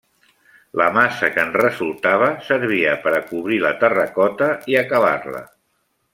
La massa que en resultava servia per a cobrir la terracota i acabar-la.